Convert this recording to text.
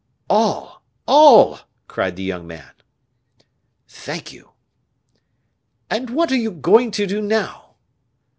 "All! all!" cried the young man. "Thank you!" "And what are you going to do now?"